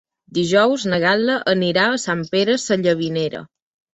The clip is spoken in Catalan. Dijous na Gal·la anirà a Sant Pere Sallavinera.